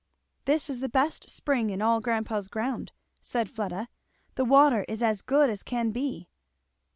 "This is the best spring in all grandpa's ground," said Fleda. "The water is as good as can be."